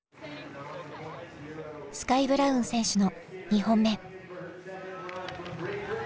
スカイ・ブラウン選手の２本目。